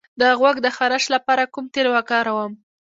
د غوږ د خارش لپاره کوم تېل وکاروم؟